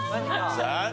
残念！